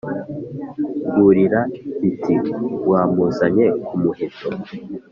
rwurira-biti wamuzanye ku muheto